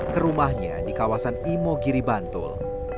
ke rumahnya di kawasan imo giribantul